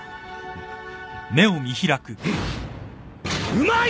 うまい！